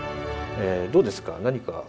えどうですか？